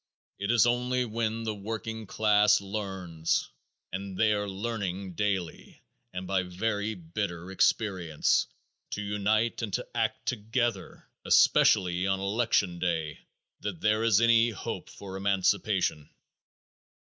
It is only when the working class learn and they are learning daily and by very bitter experience to unite and to act together, especially on election day, that there is any hope for emancipation.